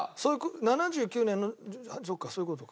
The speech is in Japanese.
７９年のそうかそういう事か。